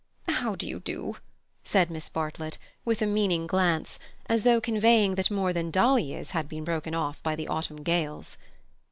"How do you do?" said Miss Bartlett, with a meaning glance, as though conveying that more than dahlias had been broken off by the autumn gales.